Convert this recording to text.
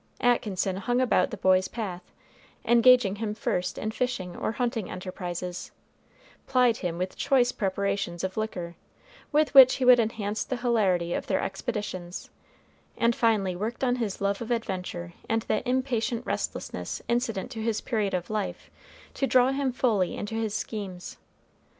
Atkinson hung about the boy's path, engaging him first in fishing or hunting enterprises; plied him with choice preparations of liquor, with which he would enhance the hilarity of their expeditions; and finally worked on his love of adventure and that impatient restlessness incident to his period of life to draw him fully into his schemes.